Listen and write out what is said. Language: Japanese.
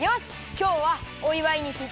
きょうはおいわいにぴったり！